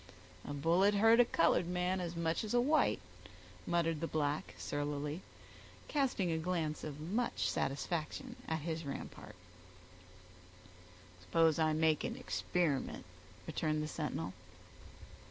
"A bullet hurt a colored man as much as a white," muttered the black, surlily, casting a glance of much satisfaction at his rampart. "Suppose I make the experiment," returned the sentinel.